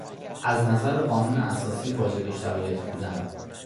از نظر قانون اساسی واجد شرایط بودن